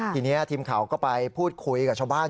ทีนี้ทีมข่าวก็ไปพูดคุยกับชาวบ้าน